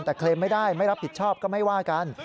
แต่เคลมไม่ได้ไม่รับผิดชอบก็ไม่ว่ากัน